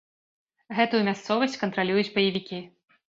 Гэтую мясцовасць кантралююць баевікі.